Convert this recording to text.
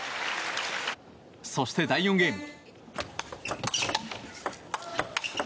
そして、第４ゲーム。